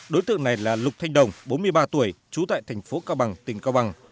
đối tượng này là lục thanh đồng bốn mươi ba tuổi trú tại thành phố cao bằng tỉnh cao bằng